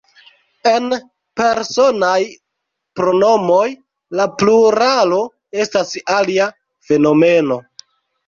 En Personaj pronomoj, la pluralo estas alia fenomeno.